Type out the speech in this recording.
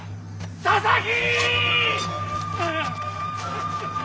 佐々木！